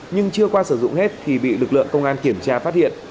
nhưng chưa qua sử dụng hết thì bị lực lượng công an kiểm tra phát hiện